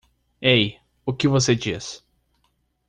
Ei? o que você diz?